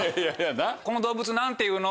「この動物何ていうの？」